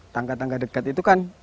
tangga tangga dekat itu kan